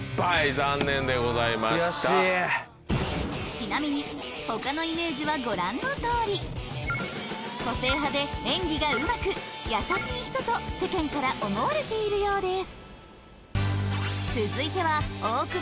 ちなみに他のイメージはご覧のとおり個性派で演技がうまく優しい人と世間から思われているようです